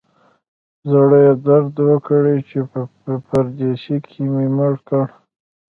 زړه یې درد وکړ چې په پردیسي کې مې مړ کړ.